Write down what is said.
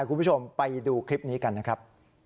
คุณผู้ชมไปดูคลิปนี้กันนะครับ